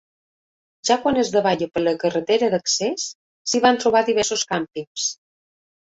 Ja quan es davalla per la carretera d'accés s'hi van trobant diversos càmpings.